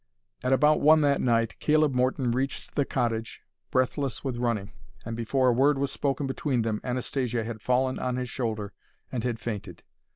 At about one that night Caleb Morton reached the cottage breathless with running, and before a word was spoken between them, Anastasia had fallen on his shoulder and had fainted.